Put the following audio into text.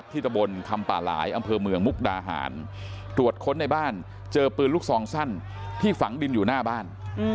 ตรวจค้นในบ้านเจอปืนลูกซองสั้นที่ฝังดินอยู่หน้าบ้าน